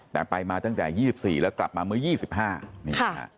แต่ไปมาตั้งแต่๒๔แล้วกลับมาเมื่อ๒๕นี่ค่ะ